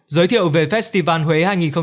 giới thiệu về festival huế hai nghìn hai mươi bốn